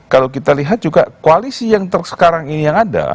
kalau kita lihat juga koalisi yang sekarang ini yang ada